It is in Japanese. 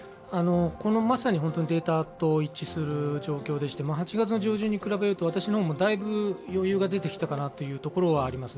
まさにこのデータと一致する状況でして８月上旬に比べると私の方もだいぶ余裕が出てきたかなというところはあります。